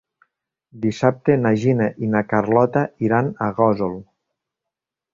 Dissabte na Gina i na Carlota iran a Gósol.